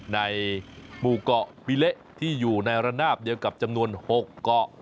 ในหมู่เกาะปิเละที่อยู่ในระนาบเดียวกับจำนวน๖เกาะ